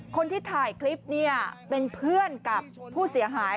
คนที่ถ่ายคลิปเนี่ยเป็นเพื่อนกับผู้เสียหาย